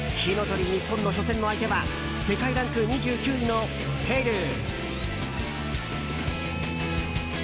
ＮＩＰＰＯＮの初戦の相手は世界ランク２９位のペルー。